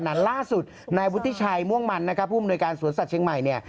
นั้นล่าสุดในวุฒิชัยม่วงมันผู้อำนวยการสวนสัตว์เชียงใหม่